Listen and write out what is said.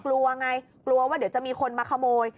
กลัวไงกลัวว่าเดี๋ยวจะมีคนมาขโมย